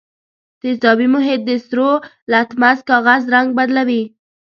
تیزابي محیط د سرو لتمس کاغذ رنګ بدلوي.